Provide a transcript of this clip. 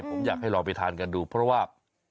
ผมอยากให้ลองไปทานกันดูเพราะว่า